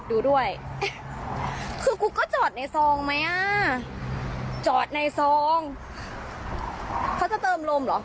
ดูด้วยเอ๊ะคือกูก็จอดในซองไหมอ่ะจอดในซองเขาจะเติมลมเหรอ